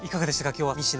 今日は３品。